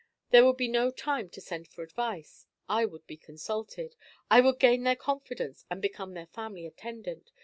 There would be no time to send for advice. I would be consulted. I would gain their confidence and become their family attendant.